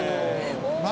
何？